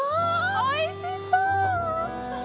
おいしそう！